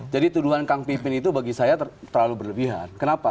jadi tuduhan kang pipir itu bagi saya terlalu berlebihan kenapa